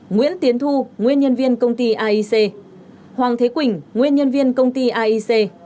nguyễn tiến thu nguyên nhân viên công ty aic hoàng thế quỳnh nguyên nhân viên công ty aic